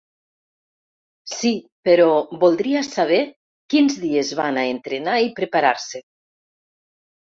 Si, però voldria saber quins dies van a entrenar i preparar-se.